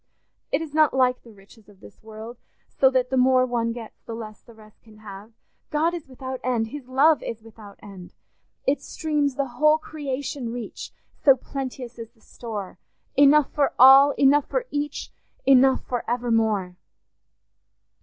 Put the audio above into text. It is not like the riches of this world, so that the more one gets the less the rest can have. God is without end; his love is without end—" Its streams the whole creation reach, So plenteous is the store; Enough for all, enough for each, Enough for evermore.